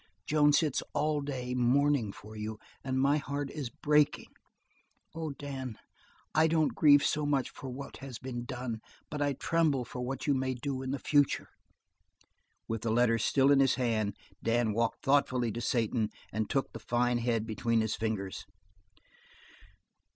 Joan sits all day, mourning for you, and my heart is breaking. Oh, Dan, I don't grieve so much for what has been done, but I tremble for what you may do in the future." With the letter still in his hand Dan walked thoughtfully to Satan and took the fine head between his fingers.